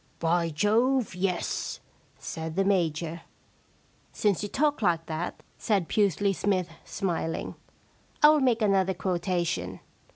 * By Jove, yes,' said the Major. * Since you talk like that,' said Pusely Smythe, sm.iling. * I will make another quotation.